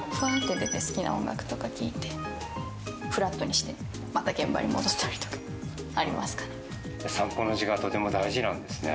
ふらっと出て好きな音楽とか聴いて、ふらっとにしてまた現場に戻ったりとかありますかね。